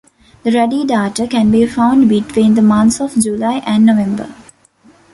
The ruddy darter can be found between the months of July and November.